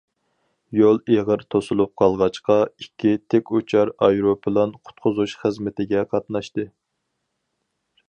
يول ئېغىر توسۇلۇپ قالغاچقا، ئىككى تىك ئۇچار ئايروپىلان قۇتقۇزۇش خىزمىتىگە قاتناشتى.